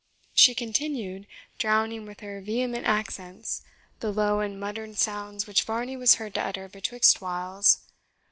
she continued, drowning with her vehement accents the low and muttered sounds which Varney was heard to utter betwixt whiles.